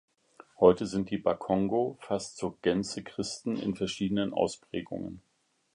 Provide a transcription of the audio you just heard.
Heute sind die Bakongo fast zur Gänze Christen in verschiedenen Ausprägungen.